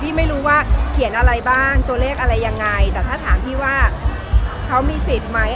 ไม่รู้ว่าเขียนอะไรบ้างตัวเลขอะไรยังไงแต่ถ้าถามพี่ว่าเขามีสิทธิ์ไหม